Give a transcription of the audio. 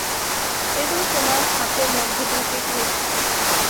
এগুলো তোমার হাতে মধ্যে ঢুকে গিয়েছে।